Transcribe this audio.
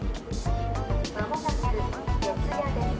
まもなく四ツ谷です。